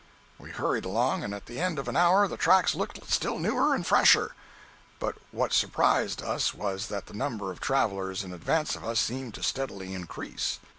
We hurried along, and at the end of an hour the tracks looked still newer and fresher—but what surprised us was, that the number of travelers in advance of us seemed to steadily increase.